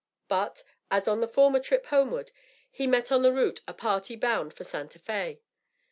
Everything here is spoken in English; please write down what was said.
But, as on the former trip homeward, he met on the route a party bound for Santa Fé.